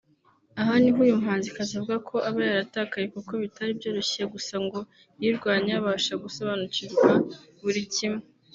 Aha niho uyu muhanzikazi avuga ko aba yaratakaye kuko bitari byoroshye gusa ngo yirwanyeho abasha gusobanukirwa buri kimwe